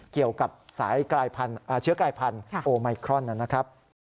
เกี่ยวกับสายเชื้อกลายพันธุ์โอไมครอนนะครับ